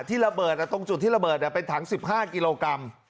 ที่ระเบิดตรงจุดที่ระเบิดเป็นถัง๑๕กิโลกรัม